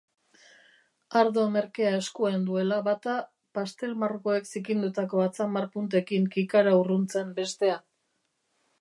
Ardo merkea eskuan duela bata, pastel-margoek zikindutako atzamar puntekin kikara urruntzen bestea.